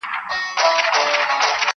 زړه طالب کړه د الفت په مدرسه کي,